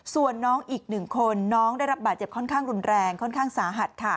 ส่วนน้องอีก๑คนน้องได้รับบาดเจ็บค่อนข้างรุนแรงค่อนข้างสาหัส